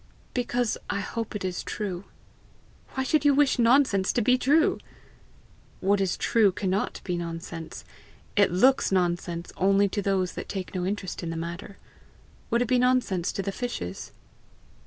"Because I hope it is true." "Why should you wish nonsense to be true?" "What is true cannot be nonsense. It looks nonsense only to those that take no interest in the matter. Would it be nonsense to the fishes?"